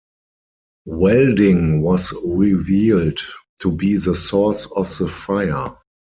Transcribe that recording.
Welding was revealed to be the source of the fire.